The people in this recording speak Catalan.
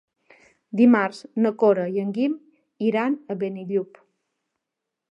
Dimarts na Cora i en Guim iran a Benillup.